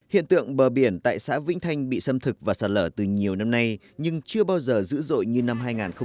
hiện tượng bờ biển tại xã vĩnh thanh bị xâm thực và sạt lở từ nhiều năm nay nhưng chưa bao giờ dữ dội như năm hai nghìn một mươi